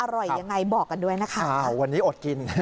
อร่อยยังไงบอกกันด้วยนะคะอ้าววันนี้อดกิน